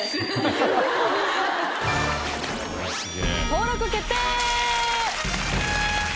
登録決定！